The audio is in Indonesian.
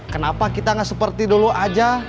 kenapa kita tidak seperti dulu saja